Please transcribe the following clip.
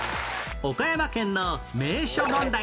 岡山県の名所問題